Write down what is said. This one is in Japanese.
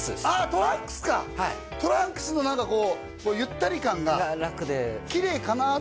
トランクスかトランクスの何かゆったり感がが楽できれいかなと思う？